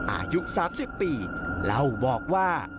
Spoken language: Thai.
อายุ๓๐ปีเล่าบอกว่า